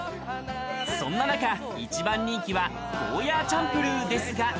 そんな中、一番人気は、ゴーヤチャンプルーですが。